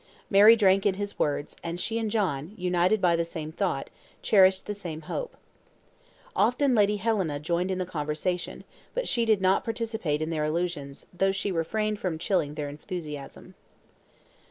Mary drank in his words, and she and John, united by the same thought, cherished the same hope. Often Lady Helena joined in the conversation; but she did not participate in their illusions, though she refrained from chilling their enthusiasm.